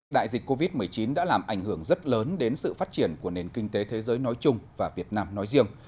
đại dịch covid một mươi chín đã làm ảnh hưởng rất lớn đến sự phát triển của nền kinh tế thế giới nói chung và việt nam nói riêng